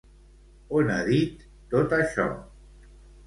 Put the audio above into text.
On ha dit tot això?